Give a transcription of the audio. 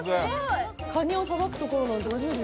カニをさばくところなんて初めて。